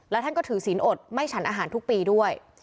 และท่านก็ถือศีลอดไม่ฉันอาหารทุกปีด้วย